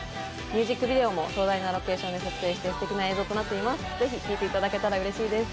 ミュージックビデオも壮大なロケーションで撮影してすてきな映像となっています。